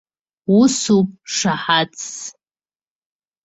Усоуп шаҳаҭс!